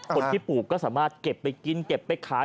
ปลูกก็สามารถเก็บไปกินเก็บไปขาย